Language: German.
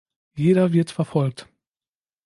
Jeder wird verfolgt.